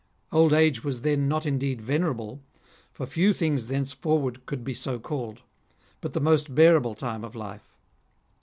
Old age was then not indeed venerable, for few things thence forward could be so called, but the most bearable time of life.